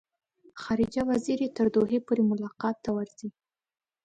خارجه وزیر یې تر دوحې پورې ملاقات ته ورځي.